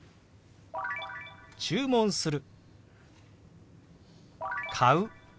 注文する。